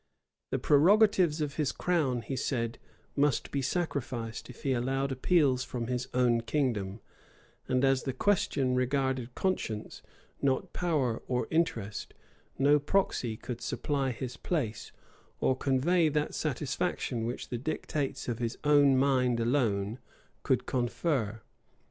The prerogatives of his crown, he said, must be sacrificed, if he allowed appeals from his own kingdom; and as the question regarded conscience, not power or interest, no proxy could supply his place, or convey that satisfaction which the dictates of his own mind alone could confer.